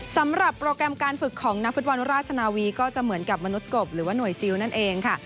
สำหรับโปรแกรมการฝึกของนักฟุตบอลราชนาวีก็จะเหมือนกับมนุษย์กบหรือว่าหน่วยซิลนั่นเองค่ะ